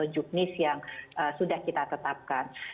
yang sudah kita tetapkan